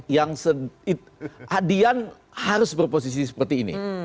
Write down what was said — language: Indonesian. yang adian harus berposisi seperti ini